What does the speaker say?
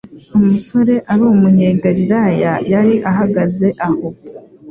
Umusore Ar'Umunyegalilaya yari ahagaze aho,